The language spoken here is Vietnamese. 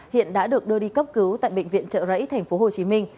hiện đã được đưa đi cấp cứu tại bệnh viện trợ rẫy tp hcm